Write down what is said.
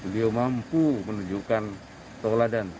beliau mampu menunjukkan tauladan